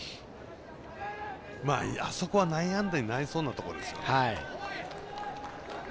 あそこは内野安打になりそうなところですよね。